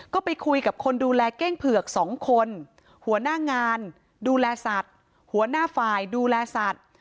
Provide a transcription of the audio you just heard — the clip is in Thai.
ก็ไปคุยกับคนดูแลเก้งเผือก๒คนหัวหน้างานดูแลสัตว์หัวหน้าฝ่ายดูแลสัตว์